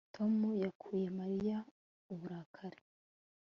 Tom yakuye Mariya uburakari